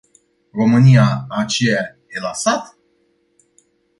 România aceea e la sat.